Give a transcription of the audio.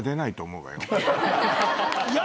いや。